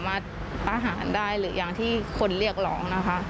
ความโหโชคดีมากที่วันนั้นไม่ถูกในไอซ์แล้วเธอเคยสัมผัสมาแล้วว่าค